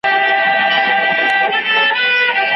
را روان به وي پوځونه د بګړیو، نصیب نه وو